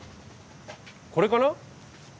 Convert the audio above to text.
これかな？